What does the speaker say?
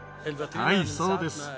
はいそうです